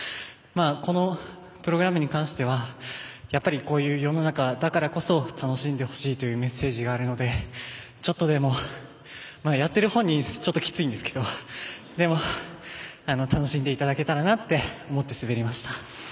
このプログラムに関してはやっぱりこういう世の中だからこそ楽しんでほしいというメッセージがあるのでちょっとでも、やってる本人はちょっときついんですけどでも、楽しんでいただけたらなと思って滑りました。